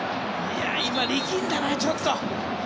今、力んだな、ちょっと。